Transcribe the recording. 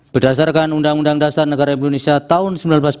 berdasarkan undang undang dasar negara indonesia tahun seribu sembilan ratus empat puluh